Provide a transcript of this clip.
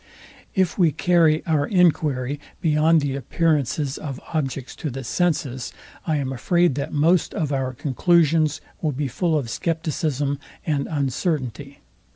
If we carry our enquiry beyond the appearances of objects to the senses, I am afraid, that most of our conclusions will be full of scepticism and uncertainty.